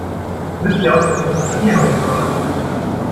Müsst ihr ausgerechnet hier herumlungern?